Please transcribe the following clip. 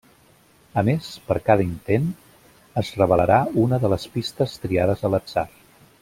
A més, per cada intent, es revelarà una de les pistes triades a l'atzar.